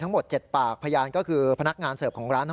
ทั้งหมด๗ปากพยานก็คือพนักงานเสิร์ฟของร้านทั้ง